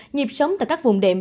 nhịp sống tại các vùng đệm